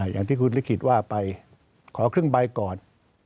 อย่างที่คุณลิขิตว่าไปขอครึ่งใบก่อน